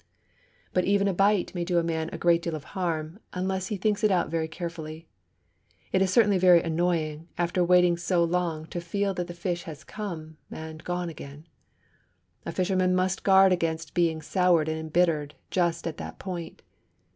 But even a bite may do a man a great deal of harm unless he thinks it out very carefully. It is certainly very annoying, after waiting so long, to feel that the fish has come and gone again! A fisherman must guard against being soured and embittered just at that point.